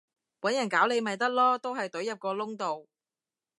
搵人搞你咪得囉，都係隊入個窿度